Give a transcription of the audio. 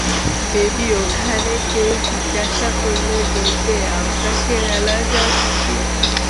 Baby, ওখানে কেউ জিজ্ঞাসা করলে বলবে আমরা কেরালা যাচ্ছি।